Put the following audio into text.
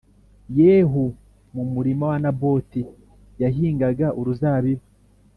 Yehu mu murima wa Naboti yahingaga uruzabibu